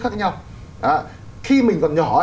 khác nhau khi mình còn nhỏ